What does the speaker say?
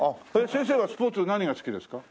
先生はスポーツ何が好きですか？